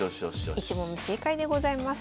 １問目正解でございます。